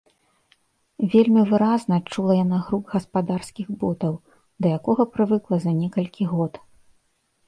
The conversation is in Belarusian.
Вельмі выразна чула яна грук гаспадарскіх ботаў, да якога прывыкла за некалькі год.